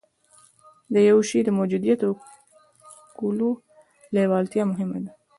د يوه شي د موجوديت او کولو لېوالتيا مهمه ده.